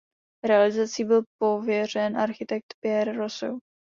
Realizací byl pověřen architekt Pierre Rousseau.